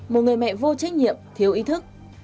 một người mẹ vô trách nhiệm thiếu ý thức